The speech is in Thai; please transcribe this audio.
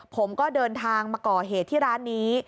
ผมก็เดินทางมาก่อเหตุที่ร้านนี้